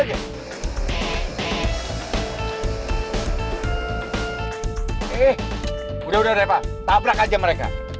eh udah udah udah reba tabrak aja mereka